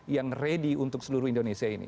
yang ready untuk seluruh indonesia ini